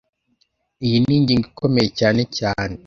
Iyi ni ingingo ikomeye cyane cyane